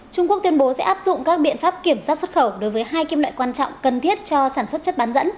trung quốc tuyên bố sẽ áp dụng các biện pháp kiểm soát xuất khẩu đối với hai kim loại quan trọng cần thiết cho đảng